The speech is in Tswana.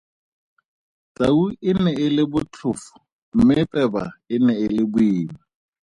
Tau e ne e le botlhofo mme peba e ne e le boima.